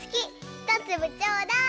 ひとつぶちょうだい！